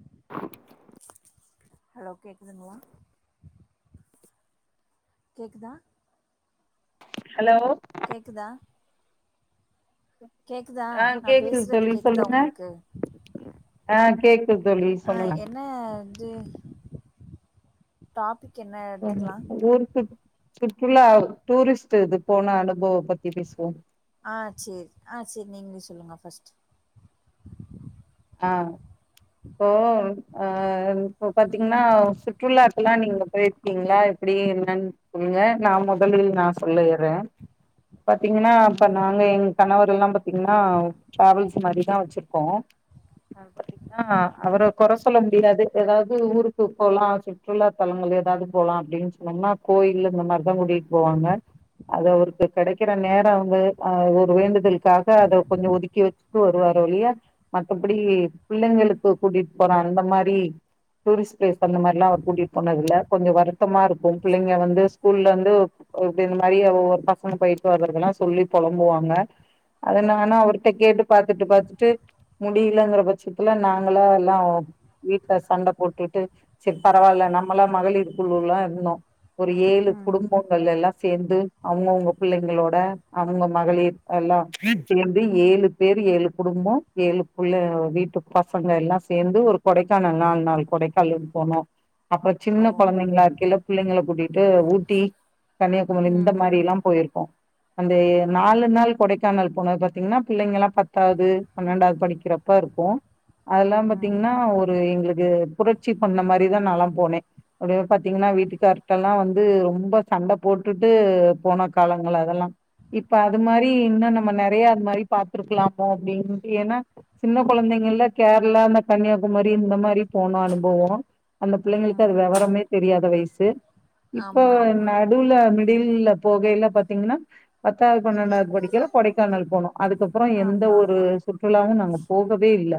[inaudible] ஹலோகே [unintelligible] கேக்குதா. ஹலோ. கேக்குதா. கேக்குதா ஆ நான் கேக்குது பேசுறது தோழி கேக்குதா சொல்லுங்க உங்களுக்கு. ஆ கேக் ஆ என்ன இது. டாபிக் என்ன எடுத்துக்கலா [unintelligible] சுற்றுலா டூரிஸ்ட் இது போன அனுபவ பத்தி பேசுவோம். ஆ செரி ஆ செரி நீங்களே சொல்லுங்க பஸ்ட்ட் ஆஹ் இப்போ அஹ் இப்ப பாத்தீங்கன்னா சுற்றுலாக்கல்லாம் நீங்க போயிருக்கீங்களா எப்படி என்னன்னு சொல்லுங்க நான் முதலில் நான் சொல்லடுறேன் பாத்தீங்கன்னா இப்ப ம் நாங்க எங்க கணவர் எல்லாம் பாத்தீங்கன்னா டிராவல்ஸ் மாதிரிதான் வச்சிருக்கோம். அஹ் பாத்தீங்கன்னா அவரை குறை சொல்ல முடியாது ஏதாவது ஊருக்கு போலாம் சுற்றுலா தலங்கள் ஏதாவது போலாம் அப்படின்னு சொன்னோம்னா கோயில் இந்த மாதிரிதான் கூட்டிக்கிட்டு போவாங்க அது அவருக்கு கிடைக்கிற நேரம் அவங்கஹ ஒரு வேண்டுதலுக்காக அதை கொஞ்சம் ஒதுக்கி வச்சுட்டு வருவாரோ ஒழிய எப்படி புள்ளைங்களுக்கு கூட்டிட்டு போற அந்த மாரி டூரிஸ்ட் பிளேஸ் அந்த மாரி எல்லாம் அவர் கூட்டிட்டு போனது இல கொஞ்சம் வருத்தமா இருக்கும் புள்ளைங்க வந்து ஸ்கூல்ல வந்து இப்படி இந்த மாரி ஒவொரு பசங்க போயிட்டு வர்றதுத எல்லாம் சொல்லி புழம்புவாங்க அதனானா அவர்கிட்ட கேட்டு பாாரத்துட்டு பாாரத்துுட்டு முடியலங்கிற பட்சத்துல நாங்களா எல்லாம் வீட்ல சண்டை போட்டுட்டு சரி பரவாயில்ல நம்மளாம் மகளிர் குழுல்லாம் இருந்தோம். ஒரு ஏழு ம் குடும்பங்கள் எல்லாம். சேர்ந்து அவங்கவுங்க புள்ளைங்களோட அவங்க மகளிர் எல்லாம் சேர்ந்து ஏழு பேர் ஏழு குடும்பம். ஏழு புள்ள வீட்டு பசங்க எல்லாம் சேர்ந்து ஒரு கொடைக்கான நாலு நாள் கொடைக்கால போனோம். அப்புறம் சின்ன ஓ குழந்தைங்களா இருக்கில புள்ளைங்க கூட்டிட்டு ஊட்டி கன்னியாகுமரி இந்த ம் மாரி ம் எல்லாம் போயிருக்கோம். அந்த நாலு நாள் கொடைக்கானல் போனது பாத்தீங்கன்னா புள்ளைங்கல்லாம் பத்தாவது பன்னெண்டாவது படிக்கிறப்பா இருக்கும். அதெல்லாம் ம் பாத்தீங்கன்னா ஒரு எங்களுக்கு இது புரட்சி பண்ண மாரிதான் நா லாம் போனேன் அப்படிய பாத்தீங்கன்னா வீட்டுக்கார்டெல்லாம் வந்து ரொம்ப சண்டை போட்டுட்டு போன காலங்கள் அதெல்லா இப்ப அது மாரி இன்னும் நம்ம நிறைய அது மாதிரி பாத்துிருக்கலாமோ அப்படின்னு ஏன்னா சின்ன குழந்தைங்கல கேரளா இந்த கன்னியாகுமரி இந்த மாரி போனு அனுபவோ அந்த பிள்ளைங்களுக்கு அது ம் விவரமே தெரியாத வயசு. [unintelligible] இப்போ ஆமா ஆமா நடுவுல [unintelligible] தில்ல போகையில பாத்தீங்கன்னா பத்தாவது பன்னெண்டாவது படிக்கில கொடைக்கானல் போனம். அதுக்கப்புறம் எந்த ஆமா ஒரு ஆமா ல்லாமா நாங்க போகவே இல்ல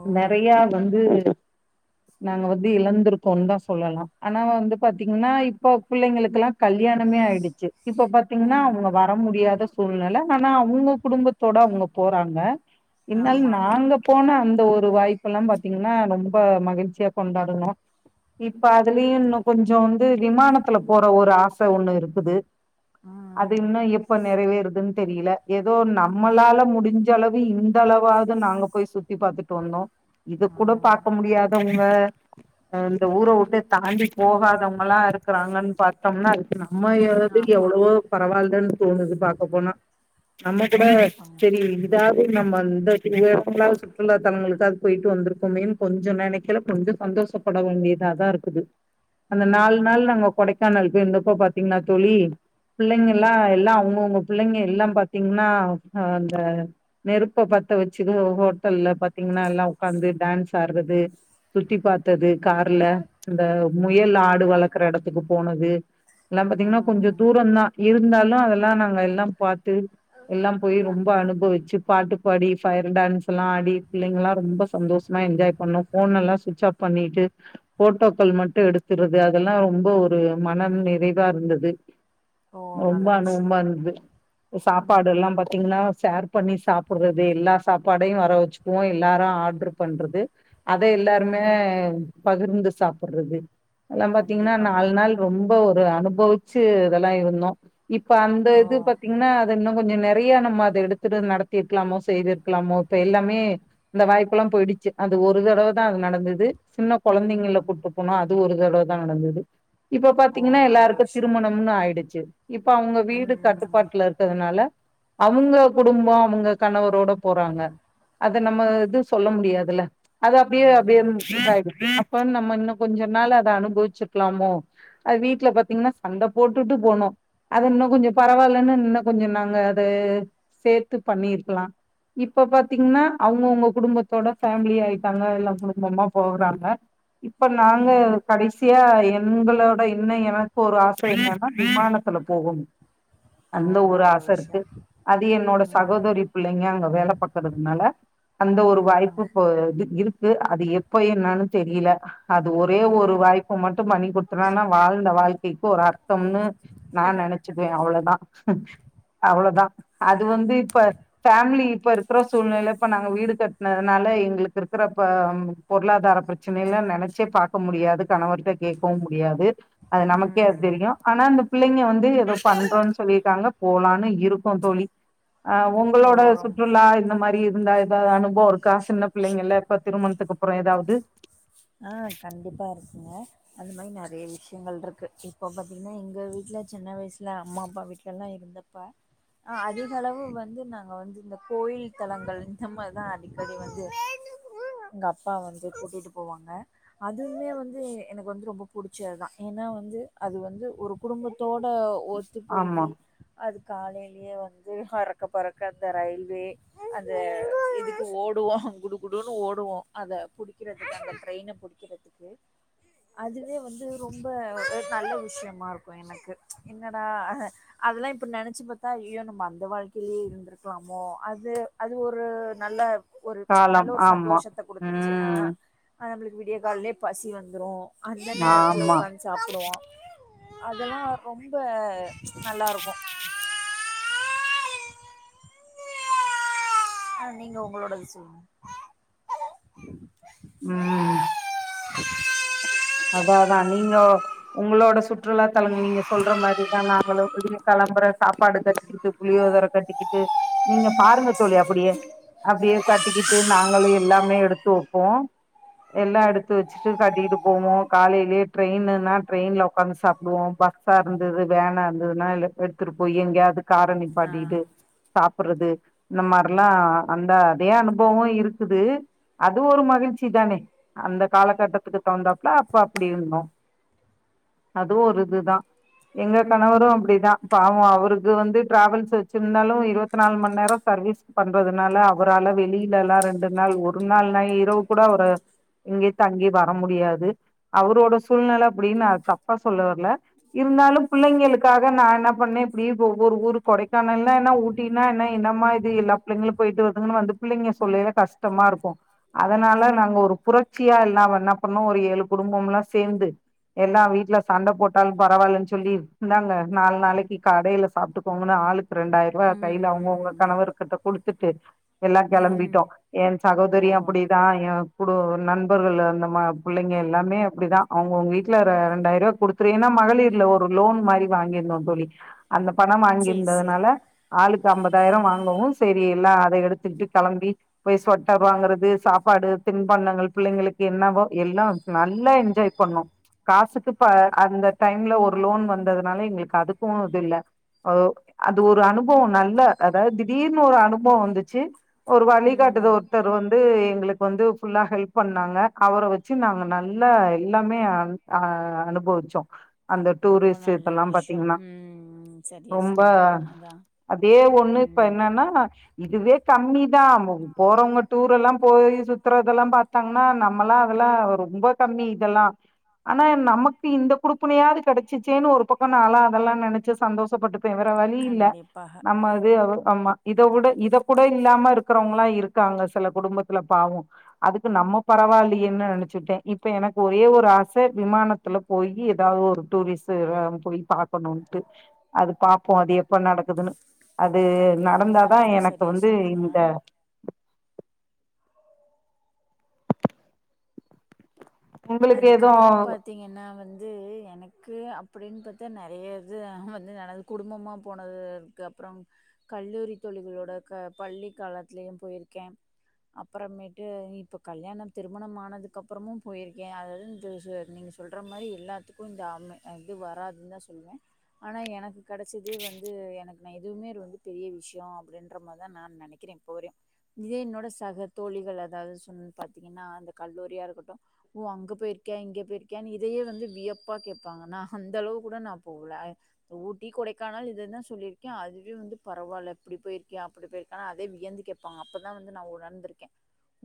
ஓ நெறயா வந் ந்து நாங்க வந்து இழந்திருக்கோம்ன்னு தா சொல்லலா ஆனா வந்து பாத்தீங்கன்னா இப்ப பிள்ளைங்களுக்லா கல்யாணமே ஆயிடுச்சு இப்ப பாத்தீங்ன்னா அவுங்க ம் வர முடியாத சூழ்நில ஆனா அவுங்க குடும்பத்தோட அவுங்க போறாங்க இனால ஆமா நாங்க போன அந் ஒரு வாய்ப்புல்லா பாத்தீங்கன்னா ரொம்ப மகிழ்ச்சியா கொண்டாடுனோ இப்ப அதுலயு இன்னு கொஞ்சோ வந்து விமானத்துல போற ஒரு ஆசை ஒண்ணு இருக்குது அது ம் இன்னு எப்ப நிறைவேறதுன்னு தெரியல ஏதோ நம்மளால முடிஞ்சளவு இந்தளவாவது நாங்க போய் சுத்தி பாத்துட்டு வந்தோ இது கூட ம் பாக்க முடியாதவங்க அ இந்த ஊரை வுட்டு தாண்டி போகாதவங்கல்லா இருக்கிறாங்கன்னு பாத்தோம்னா அதுக் [unintelligible] ஆமா எவ்வளவோ பரவால் ன்னு தோணுது பாக்க போனா நம்ம கூட கண்டிப்பாங்க செரி நம்ம [unintelligible] சுற்றுலா தலங்களுக்காது போயிட்டு வந்திருக்கோமேன்னு கொஞ்சோ நெனைக்கல கொஞ்சோ சந்தோஷப்பட வேண்டியத தா இருக்குது அந்த நாலு ம் நாள் நாங்க கொடைக்கானல் போய் இருந்தப்போ பாத்தீங்கன்னா தோழி பிள்ளைங்கல்லா ம் எல்லா அவங்கவுங்க பிள்ளைங்க எல்லா பாத்தீங்ன்னா அந்த நெருப்ப பத்த வச்சு ஹோட்டல்ல பாத்தீங்கன்னா எல்லா உக்காந்து டான்ஸ் ஆடுறது சுத்தி பாத்தது கார்ல இந்த முயல் ஆடு வளக்குற எடத்துக்கு போனது எல்லா பாத்தீங்கன்னா கொஞ்சோ தூரோந்தா இருந்தாலு அதெல் நாங்க எல்லா பாத்து எல்லா போய் ம் ரொம்ப அனுபவிச்சு பாட்டுப்பாடி ஃபயர் டான்ஸ்லா ஆடி பிள்ளைங்கல்லா ரொம்ப சந்தோஷமா என்ஜாய் பண்ணோ ஃபோன் எல்லா சுவிட்ச ஆஃப் பண்ணிட்டு போட்டோக்கள் மட்டும் எடுத்துடுது அதெல்லா ரொம்ப ஒரு மனம் நிறைவா இருந்தது ஓ நல்ல நல்லா விஷயம் அனுபவமா இருந்தது ம் சாப்பாடுல்லா பாத்தீங்ன்னா சேர் இப்ப நீ சாப்பிடுறது எல்லா சாப்பாடையு வர வச்சுக்குவோ எல்லாரு ஆட்ர்ரு பண்றது அத எல்லாருமே ம் பகிர்ந்து சா சாப்பிட்றது எல்லா பாத்தீங்ன்னா கண்டிப்பாங்க நாலு நாள் ரொம்ப ஒர் ஒரு அனுபவிச்சு இதெல்லா இருந்தோ இப்ப அந்த ஓ இது பாத்தீங்ன்னா அது இன்னு கொஞ்சோ நெறையா நம்ம அத எடுத் திரு நடத்திருக்லாமோ செய்திருக்லாமோ இப்ப எல்லாமே இந்த வாய்ப்புல்லா போயிடுச்சு அது ஒரு தடவ தா அது நடந்துது சின்ன ம் கொழந்தைங்கல ம். கூட்டு போனா அது ஒரு ருதடவதா நடந்தது இப்ப ஓ பாத்தீங்ன்னா நல்ல எல்லாருக்கு விஷயம் திருமணம்னு ஆயிடுச் சேர் இப்ப அவுங்க வீடு ம் ம் கட்டுப்பாட்டுல இருக்கிறதுனால அவுங்கப் குடும்போ அவுங்க கணவரோட போறாங்க அத நம்ம இது சொல்ல முடியாதுல அது அப்டியே அப்டியே ம் [unintelligible] அப்ப நம்ம இன்னோ கொஞ்ச நாள் அத அனுபவிச்சுக்கலாமோ அது வீட்ல பாத்தீங்ன்னா சண்ட போட்டுட்டு போனோ அது இன்னு கொஞ்சோ பரவாலன்னு இன்னோ கொஞ்சோ நாங்க அது சேத்து பண்ணிர்க்கலா இப்ப பாத்தீங்ன்னா அவுங்கவுங்க குடும்பத்தோட ஃபேமிலி ஆயிட்டாங்க எல்லா குடும்பமா போறாங்க இப்ப நாங்க ம் ம். கடைசியா எங்களோட இன்ன எனக்கு ஒரு ஆச என்னன்னா விமானத்துல போகணு ஓ அந்த ஒரு நல்ல ஆச விஷயோ இருக்கு அது என்னோட சகோதரி பிள்ளைங்க அங்க வேல பாக்குறதுனால அந்த ம் ஒரு வாய்ப்பு ம். இப்ப இரு கு அது எப்ப என்னன்னு தெரியல அது ஒரே ஓ ஒரு வாய்ப்பு மட்டும் பண்ணி கொடுத்தன்னா வாழ்ந்த வாழ் க் போறார் கம்னு நா நெனச்சிகுவே அவ்ளோதா அவ்ளோதா அது வந்து இப்ப ஃபேமிலி இப்ப இருக்கற சூழ்நெல இப்ப நாங்க வீடு கட்னதுனால எங்களுக்கிருக்கிற ப பொருளாதார பிரச்சனைல நெனச்சே பார்க்க முடியாது கணவர்ட்ட கேட்கவு முடியாது அது நமக்கே அது ம் தெரியு ஆனா அந்தப் பிள்ளைங்க வந் து ஏதோ பண்றோன்னு சொல்லிருக்காங்க போலான்னு இருக்கோ தோலி ஆஹ ஓ உங்களோட ரொம் சுற்றுலா இந்த மாரி இ ந்தா ஏதாவது அனுபோ இருக்கா சின்ன பிள்ளைங்கல இப்ப திருமணத்துக்குகப்புறோ ஏதாவது ஆஹ கண்டிப்பா இருக்குங்க அந்த மாரி நெறைய விஷயங்கள் இருக்கு இப்போ பாத்தீங்ன்னா எங்க வீட்டுல சின்ன வயசுல அம்மா அப்பா வீட்டுலல்லா இருந்தப்ப அ அதிக அளவு வந்து நாங்க வந்து இந்த கோயில் தளங்கள் இந்த மார்தா அடிக்கடி வந்து எங்க அப்பா வந்து கூட்டிட்டுப் போவாங்க அதுமே வந்து எனக்கு வந்து ரொம்ப புடிச்சதுதா ஏன்னா வந்து அது வந்து ஒரு குடும்பத்தோட ஒத்து ஆமா போயீ அது காலைய்லேயே வந்து அறக்க பறக்க அந்த ரயில்வே அந்த இதுக்கு ஓடுவோ குடு குடுன்னு ஓடுவோ அத புடிக்கிறது அந்த ட்ரெயின புடிக்கிறதுக்கு அதுவே வந்து ரொம்ப ஒரு நல்ல விஷயமாருக்கு எனக்கு என்னடா அதெல்லா இப்ப நெனைச்சு பாத்தா ஐயோ நம்ம அந்த வாழ்க்கையிலயே இருந்திருக்கலாமோ அது அது ஒரு நல்ல ஒரு ச் நல்ல காலம் ஒரு ஆமா சந்தோஷத்த குடுத்துச்சு ஆஹ ம் அது நம்மளுக்கு விடிய கால்லயே பசி வந்துரு அந்த நேரத்துல ஆமா உக்காந்து சாப்டுவோ அதெல்லா ரொம்ப ச் நல்லா இருக்கூ அஹ நீங்க உங்களோடத சொல்லுங்க உம் அத்தா அத்தா நீங்க உங்களோட சுற்றுலா தளம் நீங்க சொல்ற மாரிதா நா ங்களு உடனே கிளம்புற சாப்பாடு கட்டிக்கிட்டு புளியோதர கட்டிக்கிட்டு நீங்க பாருங்க தோழி அப்டியே அப்டியே கட்டிக்கிட்டு நாங்களு எல்லாமே எடுத்து வெப்போ எல்லா எடுத்து வெச்சுட்டு கட்டிட்டுப் போவோ காலையிலேயே ட்ரெய்னுனா ட்ரெயின்ல உக்காந்து சாப்டுவோ பஸ்ஸா இருந்தது வேனா இருந்ததுன்னா எடுத்துட்டு போயி எங்கேயாவது ஆ காரநிப்பாட்டிட்டு சாப்டுறது இந்த மாரில்லா அந்த அதே அனுபவம் இருக்குது அது ஒரு மகிழ்ச்சி தானே அந்த காலகட்டத்துக்கு தகுந்தப் லா அப்ப அப்டி இருந்தோ அதுவு ஒரு இதுதா எங்க கணவரு அப்டிதா பாவே அவருக்கு வந்து டிராவல்ஸ் வெச்சிருந்தாலு இருவத்தி நாலு மணி நேரோ சர்வீஸ் பண்றதுனால அவரால வெளிலல்லா ரெண்டு நாள் ஒரு நாள்னா இரவு கூட அவரு எங்கேயு தங்கி வர முடியாது அவரோட சூழ்நில அப்டி நா தப்பா சொல்ல வரல இருந்தாலு பிள்ளைங்களுக்காக நா என்ன பண்ணே இப்டி ஒவ்வொரு ஊரு கொடைக்கானல்னா என்ன ஊட்டினா என்ன என்னமா இது எல்லா பிள்ளைங்களு போய்ட்டு வருதுங்கன்னு வந்து பிள்ளைங்க சொல்லயில கஷ்டமா இருக்கூ அதனால நாங்க ஒரு புரட்சியா எல்லா என்ன பண்ணோ ஒரு எழு குடும்பம்லா சேந்து எல்லா வீட்டுல சண்ட போட்டலு பரவால்லன்னு சொல்லி இந்தாங்க நாலு நாளைக்கு கடையில சாப்டுக்கோங்கன்னு ஆளுக்கு ரெண்டாய்ரூபா கையில அவுங்கவுங்க ம் கணவர்க் கிட்ட குடுத்துட்டு எல்லா ம் கிளம்பிட்டோ ம் என் ஓ சகோதரியு அப்படிதான் என் குடு நண்பர்கள் அந்த மா புள்ளைங்க எல்லாமே அப்டிதா அவங்கவங்க வீட்ல ர ரெண்டாயிரூபா குடுத்துரு ஏன்னா மகளிர்ல ஒரு லோன் மாரி வாங்கியிருந்தோ தோழி அந்த பணம் சேரி சேரி வாங்கியிருந்ததுனால ஆளுக்கு கு ஐம்பதாயிரம் வாங்கவு சரி எல்லாம் அதை எடுத்துக்கிட்டு கிளம்பி போய் ஸ்வெட்டர் வாங்குறது சாப்பாடு தின்பண்ணங்கள் பிள்ளைங்களுக்கு என்னவோ எல்லாம் நல்லா என்ஜாய் பண்ணோ காசுக்கு ப அந்த டைம்ல ஒரு லோன் வந்ததுனால எங்களுக்கு அதுக்கு இது இல்ல அ அது ஒரு அனுபவோ நல்ல அதாவது திடீர்னு ஒரு அனுபவம் வந்துச்சு ஒரு வழிகாட்டுத ம் ஒருத்தர் வந்து எங்களுக்கு வந்து ஃபுல்லா ஹெல்ப் பண்ணாங்க அவர வெச்சி நாங்க நல் எல்லா எல்லாமே அன் ஆஹ் அனுபவிச்சோ அந்த ரொம்ப டூரிஸு நல்ல இப்பெல்லா விஷயோ பாத்தீங்ன்னா ம் சரியா ரொம்ப சொன்னீங்க அதா அப்டியே ஒண்ணு இப்ப ம் என்னன்னா இதுவே கம்மி தா போறவங்க டூரெல்லா போய் சுத்தறதெல்லா பாத்தாங்கன்னா நம்பலா அதெல்லா ரொம்ப கம்மி இதெல்லா ஆனா நமக்கு இந்த குடுப்பனையாது கெடச்சிச்சேன்னு ஒரு பக்கோ நாலா அதெல்லா நெனச்சி சந்தோஷப்பட்டு வேவற வழி இல்ல கண்டிப்பாக நம்ப அது ஆமா இத விட இத கூட இல்லாம இருக்குறவங்களா இருக்காங்க சில குடும்பத்துல பாவோ அதுக்கு நம்ப பரவாயில்லையேன்னு நெனச்சிட்டே இப் இப்ப எனக்கு ஒரே ஒரு ஆச விமானத்துல போயி ஏதாவது ஒரு டூரிஸு போய் பாக்கணுட்டு அதுக் பாப்போ அது எப்ப நடக்குதுன்னு அது கண்டிப்பாங்க நடந்தாதா ரொம்ப எனக்கு சரியா வந்து சொன்னீங்க இந்த உங்களுக்கு எதுவு அதுக்கப்றோ பாத்தீங்கன்னா வந்து எனக்கு அப்டின்னு பாத்தா நெறைய இது வந்து குடும்பமா போனதுருக்கு அப்றோ கல்லூரி தோழிகளோட க பள்ளி காலத்லயு போயிருக்கே அப்றமேட்டு இப்ப கல்யாணம் திருமணம் ஆனதுக்கப்றமு பொய்ருக் ஏ [unintelligible] நீங்க சொல்ற மாரி எல்லாத்துக்கு இந்த அம்மை இது வராதுன்னு தா சொல்லுவே ஆனா எனக்கு கெடைச்சதே வந்து எனக்கு நா எதுவுமே வந்து பெரிய விஷயோ அப்டின்ற மாரிதா நா நெனைக்கிறே இப்போ வரையு இதே என்னோட சக தோழிகள் அதாவ்து சொன் பாத்தீங்கன்னா அந்த கல்லூரியா இருக்கட்டு ஓ அங்க போயிருக்க இங்கே போயிருக்கன்னு இதயே வந்து வியப்பாக கேப்பாங்கனா அந்த அளவு கூட நா போல ஊட்டி கொடைக்கானல் இத தா சொல்லிருக்கே அதுவே வந்து பரவால்ல இப்டி பொய்ருக்கியா அப்டி பொய்ருக்கா அதே வியந்து கேப்பாங்க அப்ப தா வந்து நா உணந்துருக்கே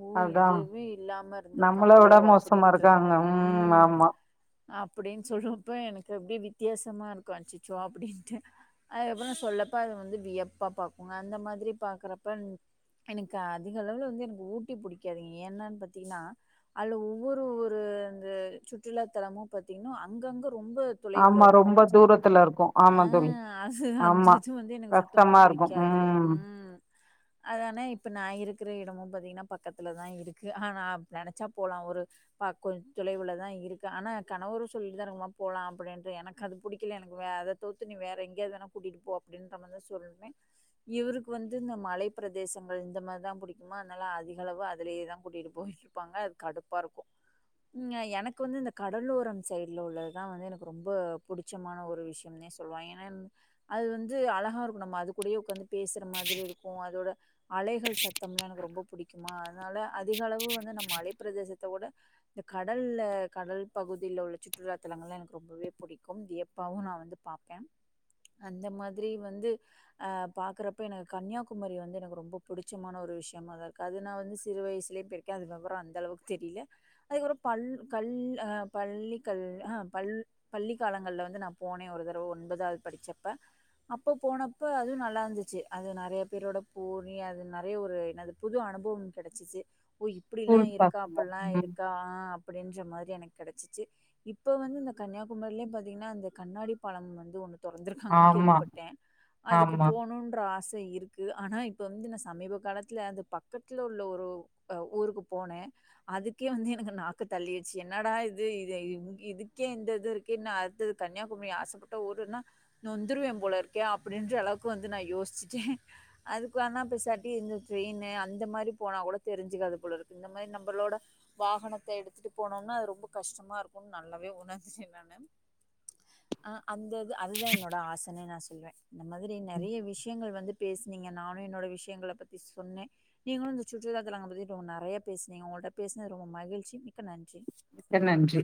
ஓ அதா இதுவே இல்லாம நம்மள இருந்துற்க்காங்களோ விட அப் மோசமா அப்டின்றது இருக்காங்க ம் உம் ஆமா அப்டின்னு சொல்லு அப்ப எனக்கு அப்டி வித்யாசமா இருக்கு அச்சச்சோ அப்டின்ட்டு அதுக்கப்றோ சொல்லப்ப அது வந்து வியப்பா பாக்குங்க அந்த மாதிரி பாக்கறப்ப எனக்கு அதிக அளவுல வந்து எனக்கு ஊட்டி புடிக்காதுங்க ஏன்னானு பாத்தீங்கன்னா அதுல ஒரு ஒரு அந்த சுற்றுலா தலமு பாத்தீங்கன்னா அங்கங்க ரொம்ப தொலைவுல ஆமா இருக்கு ரொம்ப தூரத்துல இருக்கு ஆமா தோழி ம்ச் அ அந்த ஆமா இது வந்து எனக்கு சுத்தமா கஷ்டமா இருக்கு புடிக்காது ம் அது ஆனா இப்ப நா இரு இருக்கற எடமு பாத்தீங்கன்னா பக்கத்துல தா இருக்கு ஆனா நெனச்சா போலா ஒரு பா கொஞ் தொலைவுலே தான் இருக்கு ஆனா கணவரு சொல்லிட்டு தா இருக்காரு வா போலா அப்டின்டு எனக்கு அது புடிக்கல எனக்கு வே அத தவுத்து நீ வேற எங்கயாவது வேணா கூட்டிட்டு போ அப்டின்றமாரி தா சொல்வே இவுருக்கு வந்து இந்த மலை பிரதேசங்கள் இந்த மாரிதா புடிக்குமா அதனால அதிக அளவு அதுலயேதா கூட்டிட்டு போயிட்ருப்பாங்க அது கடுப்பா இருக்கு ம் எனக்கு வந்து இந்த கடலோரம் சைட்ல உள்ளதுதா வந்து எனக்கு ரொம்ப புடிச்சமான ஒரு விஷயம்னே சொல்வ ஏன்னா அது வந்து அழகா இருக்கு நம்ப அது கூடயே ஒக்காந்து பேசுற மாதிரி இருக்கும் அதோட அலைகள் சத்தம்லா எனக்கு ரொம்ப புடிக்குமா அதனால அதிக அளவு மலை பிரதேசத்த விட இந்த கடல்ல கடல் பகுதியில உள்ள சுற்றுலாத்தலங்கள்லா எனக்கு ரொம்பவே புடிக்கும் வியப்பாவு நா வந்து பாப்பே அந்த மாதிரி வந்து அஹ் பாக்குறப்ப எனக்கு கன்னியாகுமரி வந்து எனக்கு ரொம்ப புடிச்சமான ஒரு விஷயமா தா இருக்கு அது நா வந்து சிறு வயசுலயே போயிருக்கே அதுக்கப்பறோ அந்த அளவுக்கு தெரில அதுக்கப்றோ பல் கல் அஹ் பள்ளி கல் அஹ் பல் பள்ளி காலங்கள்ல வந்து நா போனே ஒரு தரவ ஒன்பதாவது படிச்சப்ப அப்ப போனப்ப அது நல்லாருந்துச்சு அது நெறையா பேரோட போணி அது நெறையா ஒரு என்னது புது அனுபவம் கெடச்சுச்சு ஓ இப்டிலா ஸ்கூல் இருக்கா பசங்க அப்ட்ல்லா ம் இருக் ஆ அப்டின்ற மாரி எனக்கு கெடச்சுச்சு இப்ப வந்து இந்த கன்னியாகுமரியிலயே பாத்தீங்கன்னா இந்த கண்ணாடி பாலம் வந்து ஒன்னு தொறந்துருக்காங்கன்னு ஆமா கேள்விப்பட்டே அதுக்கு ஆமா போணுன்ற ஆச இருக்கு ஆனா இப்ப வந்து நா சமீப காலத்துல அந்த பக்கத்துல உள்ள ஒரு ஊருக்கு போனே அது க்கே வந்து எனக்கு நாக்கு தள்ளிச்சு என்னாடா இது இது இதுக்கே இந்த இது இருக்கே இன்னோ அடுத்தது கன்னியாகுமரி ஆசப்பட்ட ஊருன்னா நொந்துருவே போலருக்கே அப்டின்ற அளவுக்கு வந்து நா யோசிச்சுட்டே அதுக்கு வேனா பேசாட்டி இந்த ட்ரெயினு அந்த மாரி போனா கூட தெரிஞ்சுக்காது போலருக்கு இந்த மாரி நம்பளோட வாகனத்த எடுத்துட்டு போனோன்னு அது ரொம்ப கஷ்டமா இருக்குனு நல்லவே உணந்துட்டே நானு அ அந்த அதுதா என்னோட ஆசனே நா சொல் இல்ல இந்த மாதிரி நெறைய விஷயங்கள் வந்து பேசுனீங்க நானு என்னோட விஷயங்கள பத்தி சொன்னே நீங்களு இந்த சுற்றுலா தளங்கல பத்தி நெறையா பேசுனீங்க ஒங்கள்ட்ட பேஸ் ரொம்ப மகிழ்ச்சி மிக்க நன்றி மிக்க நன்றி